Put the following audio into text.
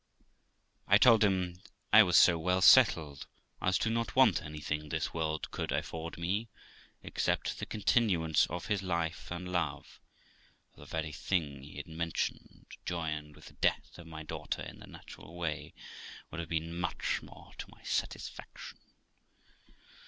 I told him I was so well settled, as not to want anything this world could afford me, except the continuance of his life and love (though the very thing he had mentioned, joined with the death of my daughter, in the natural way, would have been much more to my satisfaction